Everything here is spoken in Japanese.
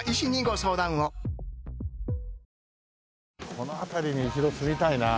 この辺りに一度住みたいな。